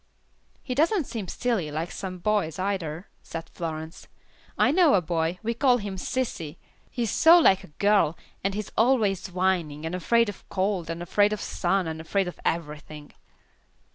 "He doesn't seem silly, like some boys, either," said Florence. "I know a boy, we call him 'sissy,' he is so like a girl, and he is always whining, and afraid of cold, and afraid of sun, and afraid of everything."